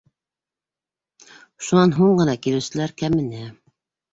Шунан һуң ғына килеүселәр кәмене.